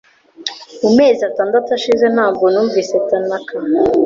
Mu mezi atandatu ashize ntabwo numvise Tanaka.